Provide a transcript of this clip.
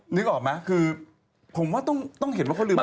นึกออกไหมคือผมว่าต้องเห็นว่าเขาลืม